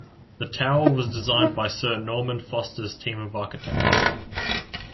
The tower was designed by Sir Norman Foster's team of architects.